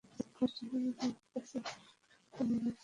অনুষ্ঠানে মুনতাসীর মামুনকে নিয়ে লেখা কবিতা পড়ে শোনান কবি তারিক সুজাত।